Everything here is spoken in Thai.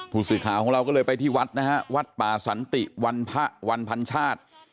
ผู้สื่อข่าวของเราก็เลยไปที่วัดนะฮะวัดป่าสันติวันพระวันพันชาติ